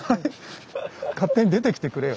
勝手に出てきてくれよ。